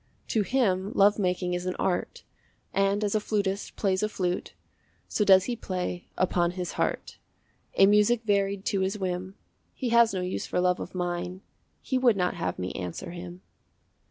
To him love making is an art, And as a flutist plays a flute, So does he play upon his heart A music varied to his whim. He has no use for love of mine, He would not have me answer him.